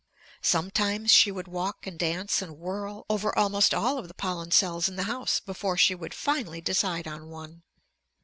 Sometimes she would walk and dance and whirl over almost all of the pollen cells in the house before she would finally decide on one.